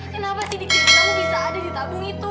kenapa sih dikit kamu bisa ada di tabung itu